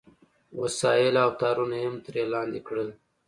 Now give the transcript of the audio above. وسایل او تارونه یې هم ترې لاندې کړل